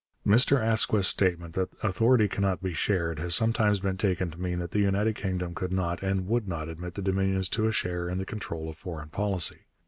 Mr Asquith's statement that 'that authority cannot be shared' has sometimes been taken to mean that the United Kingdom could not and would not admit the Dominions to a share in the control of foreign policy.